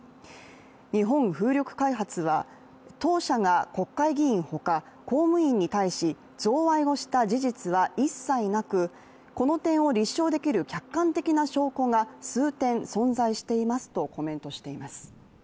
日本風力開発は、当社が国会議員ほか公務員に対し贈賄をした事実は一切なくこの点を立証できる客観的な証拠が数点存在していますとコメントしています。